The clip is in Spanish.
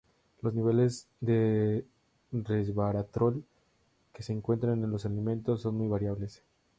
Los niveles de resveratrol que se encuentran en los alimentos son muy variables.